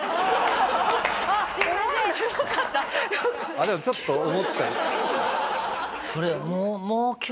でもちょっと思った。